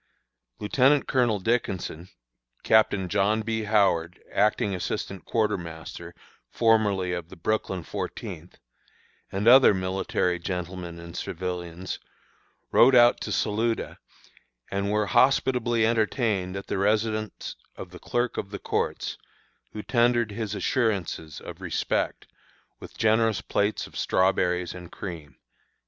Lieutenant Colonel Dickinson, Captain John B. Howard, acting assistant quartermaster, formerly of the Brooklyn Fourteenth, and other military gentlemen and civilians, rode out to Saluda, and were hospitably entertained at the residence of the Clerk of the Courts, who tendered his assurances of respect with generous plates of strawberries and cream."